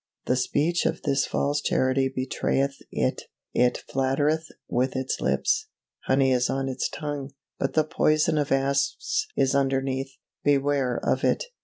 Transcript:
The speech of this false Charity betrayeth it, it flattereth with its lips; honey is on its tongue, but the poison of asps is underneath; beware of it!